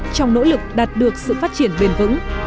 trong nỗ lực đạt được sự phát triển bền vững